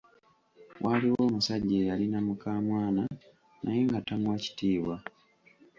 Waaliwo omusajja eyalina mukaamwana naye nga tamuwa kitiibwa.